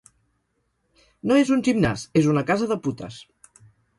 No és un gimnàs, és una casa de putes.